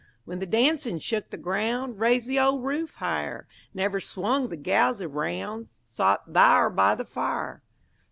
When the dancin' shook the groun' Raised the ol' roof higher, Never swung the gals eroun' Sot thar' by the fire.